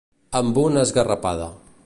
Amb una esgarrapada.